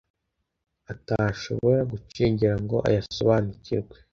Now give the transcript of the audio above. atashobora gucengera ngo ayasobanukirwe